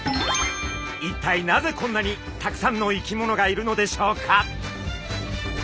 一体なぜこんなにたくさんの生き物がいるのでしょうか？